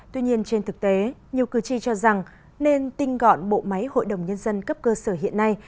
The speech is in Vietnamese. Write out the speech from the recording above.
tuy nhiên trên thực tế nhiều cử tri cho rằng nên tinh gọn bộ máy hội đồng nhân dân cấp cơ sở hiện nay